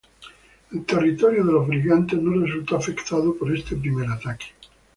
El territorio de los brigantes no resultó afectado por este primer ataque.